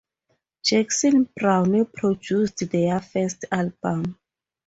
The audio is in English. Jackson Browne produced their first album.